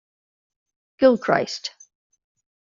Gilchrist.